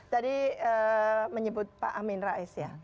tadi menyebut pak amin rais ya